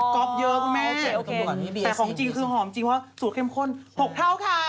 ๊อฟเยอะคุณแม่แต่ของจริงคือหอมจริงเพราะสูตรเข้มข้น๖เท่าค่ะ